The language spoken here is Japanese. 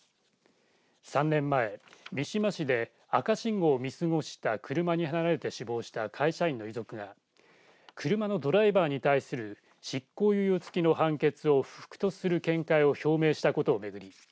３年前、三島市で赤信号を見過ごした車にはねられて死亡した会社員の遺族が車のドライバーに対する執行猶予付きの判決を不服とする見解を表明したことを巡り